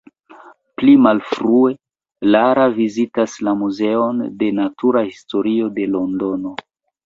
Pli malfrue, Lara vizitas la muzeon de natura historio de Londono.